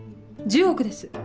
１０億です。